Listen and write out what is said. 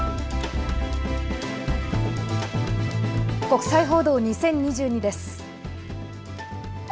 国際報道２０２２です。